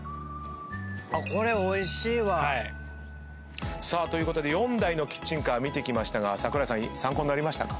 おいしい！ということで４台のキッチンカー見てきましたが桜井さん参考になりましたか？